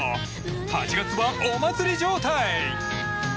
８月はお祭り状態！